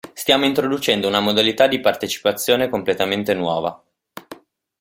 Stiamo introducendo una modalità di partecipazione completamente nuova.